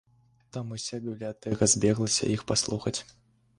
Там уся бібліятэка збеглася іх паслухаць.